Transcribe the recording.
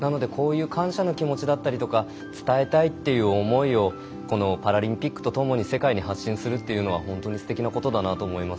感謝の気持ちだったり伝えたいという思いをこのパラリンピックとともに世界に発信するというのは本当にすてきなことだと思います。